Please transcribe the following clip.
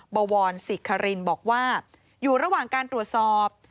บวรศิกคารินบอกว่าอยู่ระหว่างการตรวจสอบ